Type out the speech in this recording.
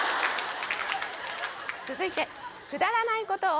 続いて。